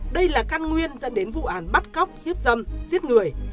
đây là căn nguyên dẫn đến vụ án bắt cóc hiếp dâm giết người